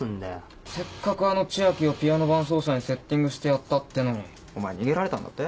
せっかくあの千秋をピアノ伴奏者にセッティングしてやったっていうのにお前逃げられたんだって？